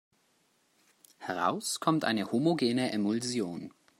Heraus kommt eine homogene Emulsion.